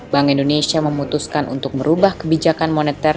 bank indonesia memutuskan untuk merubah kebijakan moneter